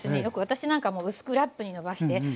よく私なんかもう薄くラップにのばして。